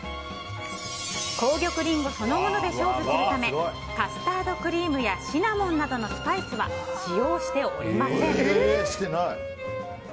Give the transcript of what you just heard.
紅玉りんごそのもので勝負するためカスタードクリームやシナモンなどのスパイスは使用しておりません。